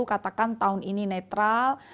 katakan tahun ini netral